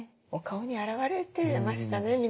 お顔に表れてましたね